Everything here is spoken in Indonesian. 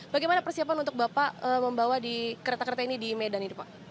bagaimana persiapan untuk bapak membawa di kereta kereta ini di medan ini pak